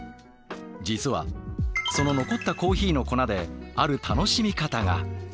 実はその残ったコーヒーの粉である楽しみ方が。